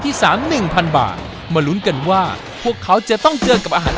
ที่สามหนึ่งพันบาทมาลุ้นกันว่าพวกเขาจะต้องเจอกับอาหาร